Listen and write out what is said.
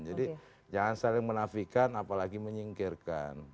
jadi jangan saling menafikan apalagi menyingkirkan